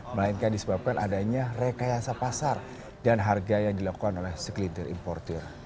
melainkan disebabkan adanya rekayasa pasar dan harga yang dilakukan oleh sekelintir importir